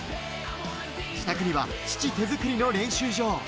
自宅には父・手作りの練習場。